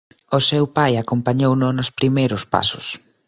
O seu pai acompañouno nos primeiros pasos.